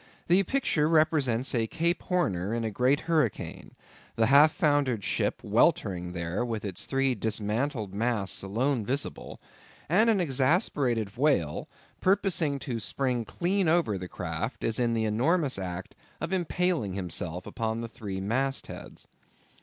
The picture represents a Cape Horner in a great hurricane; the half foundered ship weltering there with its three dismantled masts alone visible; and an exasperated whale, purposing to spring clean over the craft, is in the enormous act of impaling himself upon the three mast heads.